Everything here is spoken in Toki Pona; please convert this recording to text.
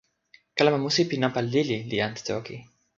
kalama musi pi nanpa lili li ante toki.